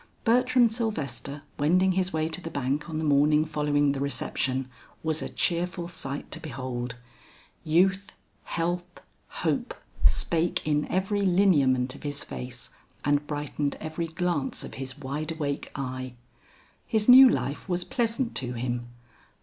Bertram Sylvester wending his way to the bank on the morning following the reception, was a cheerful sight to behold. Youth, health, hope spake in every lineament of his face and brightened every glance of his wide awake eye. His new life was pleasant to him.